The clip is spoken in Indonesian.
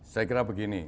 saya kira begini